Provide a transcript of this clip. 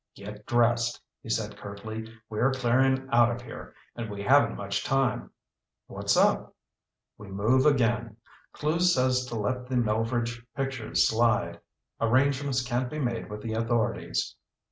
"Get dressed!" he said curtly. "We're clearing out of here. And we haven't much time." "What's up?" "We move again. Clewes says to let the Melveredge pictures slide. Arrangements can't be made with the authorities."